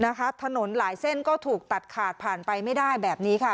นะคะถนนหลายเส้นก็ถูกตัดขาดผ่านไปไม่ได้แบบนี้ค่ะ